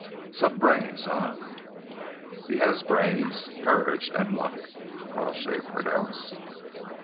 "Some brains, eh?" "He has brains, courage and luck," Crawshay pronounced.